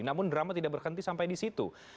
namun drama tidak berhenti sampai di situ